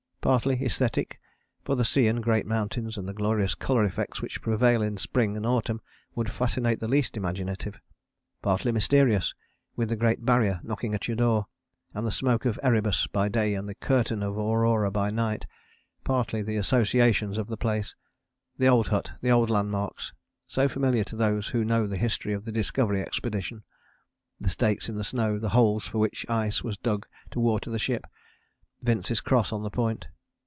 Partly aesthetic, for the sea and great mountains, and the glorious colour effects which prevail in spring and autumn, would fascinate the least imaginative; partly mysterious, with the Great Barrier knocking at your door, and the smoke of Erebus by day and the curtain of Aurora by night; partly the associations of the place the old hut, the old landmarks, so familiar to those who know the history of the Discovery Expedition, the stakes in the snow, the holes for which ice was dug to water the ship, Vince's Cross on the Point.